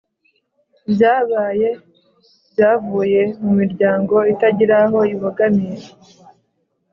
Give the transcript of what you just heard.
byabaye byavuye mu miryango itagira aho ibogamiye